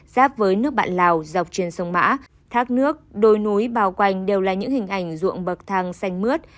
giáp với nước bạn lào dọc trên sông mã thác nước đồi núi bao quanh đều là những hình ảnh ruộng bậc thang xanh mướt